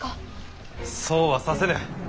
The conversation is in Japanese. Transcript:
そうはさせぬ！